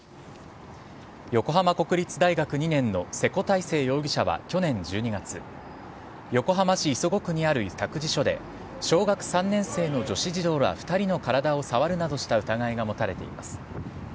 横浜国立大学２年の瀬古太星容疑者は去年１２月横浜市磯子区にある託児所で小学３年生の女子児童ら２人の体を触るなどした疑いが持たれています。